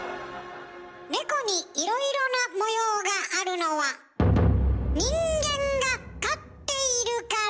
猫にいろいろな模様があるのは人間が飼っているから。